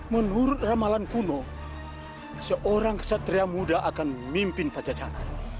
menurut ramalan kuno seorang kesatria muda akan mimpin pajajaran